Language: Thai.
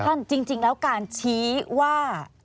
จริงแล้วการชี้ว่า